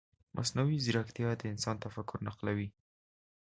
مصنوعي ځیرکتیا د انسان تفکر نقلوي.